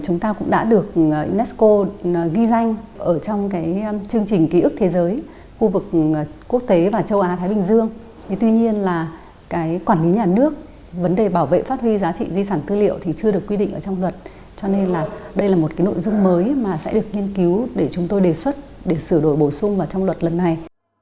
nên đây là một nội dung mới mà sẽ được nghiên cứu để chúng tôi đề xuất để sửa đổi bổ sung vào trong luật lần này